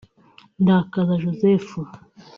Ndakaza Joseph